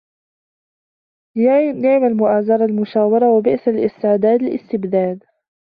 نِعْمَ الْمُؤَازَرَةُ الْمُشَاوَرَةُ وَبِئْسَ الِاسْتِعْدَادُ الِاسْتِبْدَادُ